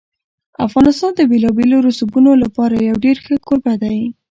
افغانستان د بېلابېلو رسوبونو لپاره یو ډېر ښه کوربه دی.